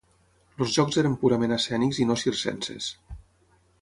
Els jocs eren purament escènics i no circenses.